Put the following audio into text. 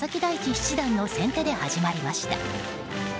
七段の先手で始まりました。